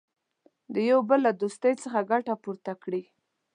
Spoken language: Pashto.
د یوه بل له دوستۍ څخه ګټه پورته کړي.